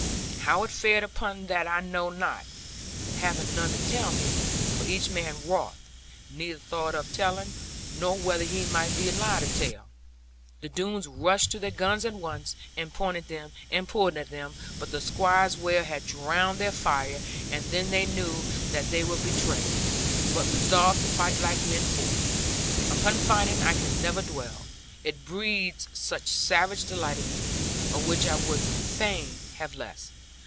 How it fared upon that I know not, having none to tell me; for each man wrought, neither thought of telling, nor whether he might be alive to tell. The Doones rushed to their guns at once, and pointed them, and pulled at them; but the Squire's well had drowned their fire; and then they knew that they were betrayed, but resolved to fight like men for it. Upon fighting I can never dwell; it breeds such savage delight in me; of which I would fain have less.